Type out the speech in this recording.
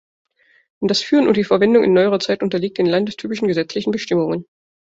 Das Führen und die Verwendung in neuerer Zeit unterliegt den landestypischen gesetzlichen Bestimmungen.